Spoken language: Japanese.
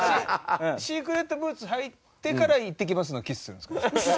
シークレットブーツ履いてからいってきますのキスするんですか？